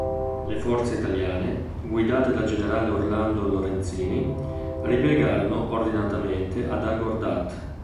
Le forze italiane, guidate dal generale Orlando Lorenzini, ripiegarono ordinatamente ad Agordat.